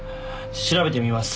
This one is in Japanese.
調べてみます。